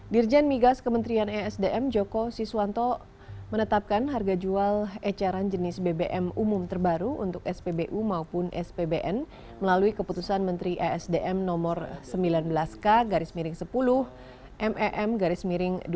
dirjen migas kementerian esdm joko siswanto menetapkan harga jual ecaran jenis bbm umum terbaru untuk spbu maupun spbn melalui keputusan menteri esdm nomor sembilan belas k garis miring sepuluh mem garis miring dua ribu tujuh belas